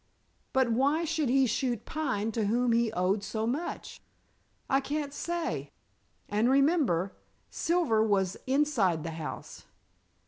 "But why should he shoot Pine, to whom he owed so much?" "I can't say." "And, remember, Silver was inside the house."